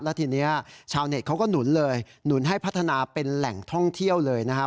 แล้วทีนี้ชาวเน็ตเขาก็หนุนเลยหนุนให้พัฒนาเป็นแหล่งท่องเที่ยวเลยนะครับ